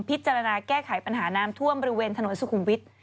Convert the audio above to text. แก้ไขปัญหาน้ำท่วมบริเวณถนนสุขุมวิทย์